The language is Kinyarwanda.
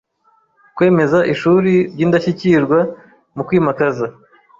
Kwemeza ishuri ry’indashyikirwa mu kwimakaza